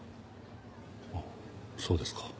あっそうですか。